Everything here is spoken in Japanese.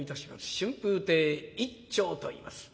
春風亭一朝といいます。